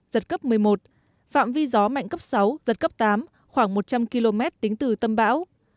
giật cấp một mươi một phạm vi gió mạnh cấp sáu giật cấp tám khoảng một trăm linh km tính từ tâm bão